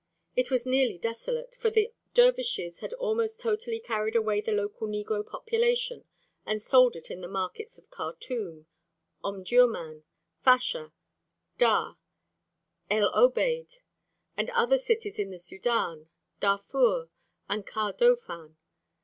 It was nearly desolate, for the dervishes had almost totally carried away the local negro population and sold it in the markets of Khartûm, Omdurmân, Fasher, Dar, El Obeid, and other cities in the Sudân, Darfur, and Kordofân.